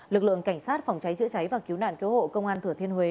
lực lượng cảnh sát phòng cháy chữa cháy và cứu nạn cứu hộ công an thừa thiên huế